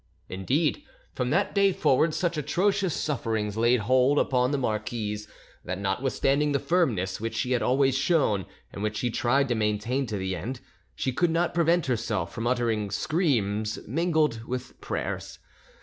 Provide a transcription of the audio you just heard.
Indeed, from that day forward, such atrocious sufferings laid hold upon the marquise, that notwithstanding the firmness which she had always shown, and which she tried to maintain to the end, she could not prevent herself from uttering screams mingled with prayers.